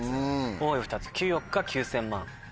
多い２つ９億か９０００万。